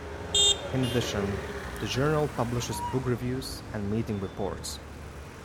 In addition, the journal publishes book reviews and meeting reports.